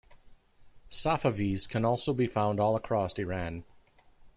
"Safavi"s can also be found all across Iran.